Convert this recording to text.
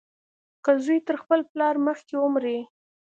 که زوى تر خپل پلار مخکې ومري.